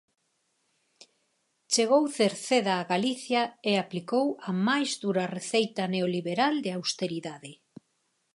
Chegou Cerceda a Galicia e aplicou a máis dura receita neoliberal de austeridade.